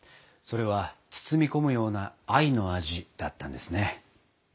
それは包み込むような愛の味だったんですね。